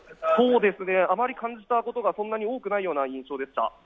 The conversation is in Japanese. あまり感じたことがそんなに多くないような印象でした。